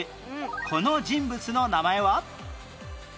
この人物の名前は？